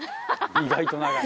意外と長い。